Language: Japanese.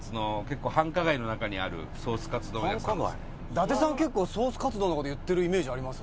伊達さん結構ソースカツ丼の事言ってるイメージあります。